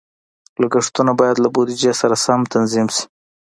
لګښتونه باید له بودیجې سره سم تنظیم شي.